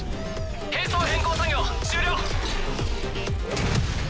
兵装変更作業終了。